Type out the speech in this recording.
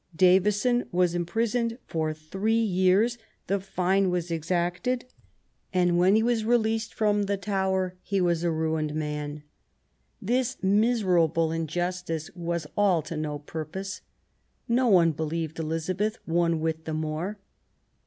Davison was imprisoned for three years, the fine was exacted, and when he was released from the Tower he was a ruined man. This miserable injustice was all to no purpose. No one believed Elizabeth one whit the more.